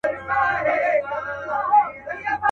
کاروبار بڼه خپله کړه